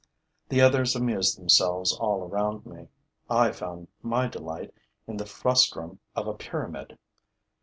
The others amused themselves all around me; I found my delight in the frustum of a pyramid.